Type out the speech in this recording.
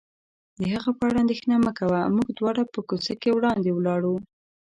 د هغه په اړه اندېښنه مه کوه، موږ دواړه په کوڅه کې وړاندې ولاړو.